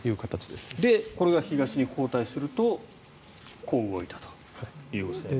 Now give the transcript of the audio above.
で、これが東に後退するとこう動いたということですね。